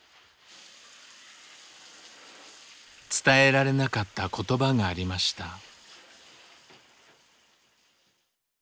伝えられなかった言葉がありました。